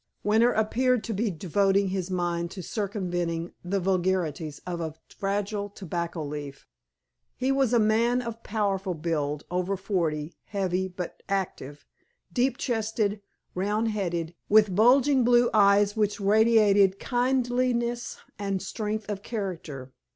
Winter appeared to be devoting his mind to circumventing the vagaries of a fragile tobacco leaf. He was a man of powerful build, over forty, heavy but active, deep chested, round headed, with bulging blue eyes which radiated kindliness and strength of character.